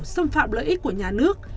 xâm phạm lợi ích của nhà nước